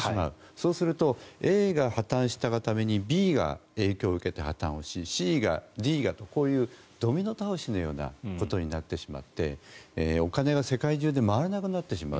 そうするとＡが破たんしたがためにＢが影響を受けて破たんしＣがＤがとドミノ倒しのようなことになってしまってお金が世界中で回らなくなってしまう。